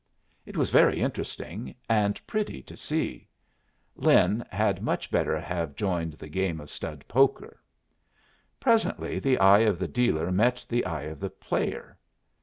It was very interesting and pretty to see; Lin had much better have joined the game of stud poker. Presently the eye of the dealer met the eye of the player.